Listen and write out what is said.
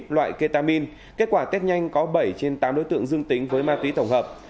loại ketamin kết quả test nhanh có bảy trên tám đối tượng dương tính với ma túy thổng hợp